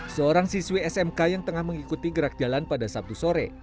seorang siswi smk yang tengah mengikuti gerak jalan pada sabtu sore